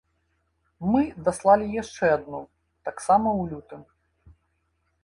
Мы даслалі яшчэ адну, таксама ў лютым.